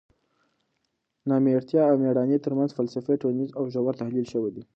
نامېړتیا او مېړانې ترمنځ فلسفي، ټولنیز او ژور تحلیل شوی دی.